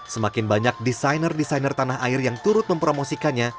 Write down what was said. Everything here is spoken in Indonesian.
semakin banyak desainer desainer tanah air yang turut mempromosikannya